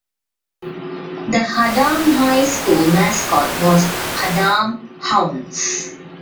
The Haddam High School mascot was Haddam Hounds.